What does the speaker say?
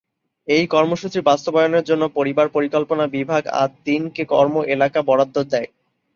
এই কর্মসূচি বাস্তবায়নের জন্য পরিবার পরিকল্পনা বিভাগ আদ্-দ্বীনকে কর্মএলাকা বরাদ্দ দেয়।